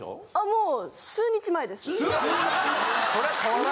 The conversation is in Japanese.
もう。